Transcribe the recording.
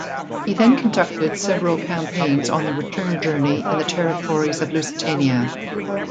He then conducted several campaigns on the return journey in the territories of Lusitania.